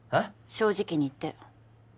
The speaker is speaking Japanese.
正直に言って。